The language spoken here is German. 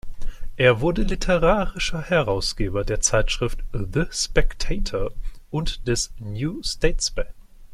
Er wurde literarischer Herausgeber der Zeitschrift "The Spectator" und des "New Statesman".